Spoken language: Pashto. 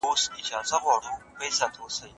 که معلومات ډېر وي نو څېړنه ښه کېږي.